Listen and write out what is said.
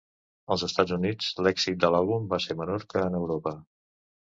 Als Estats Units, l'èxit de l'àlbum va ser menor que en Europa.